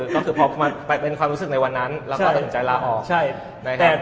ก็คือพอไปเป็นความรู้สึกในวันนั้นแล้วก็ต้องจ่ายลาออก